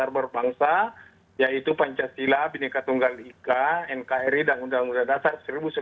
berbangsa yaitu pancasila bineka tunggal ika nkri dan undang undang dasar seribu sembilan ratus empat puluh lima